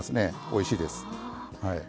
おいしいです。